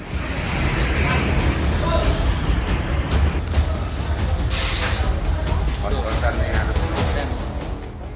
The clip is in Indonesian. tidak usah lari